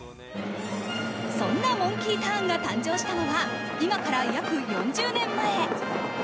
そんなモンキーターンが誕生したのは今から約４０年前。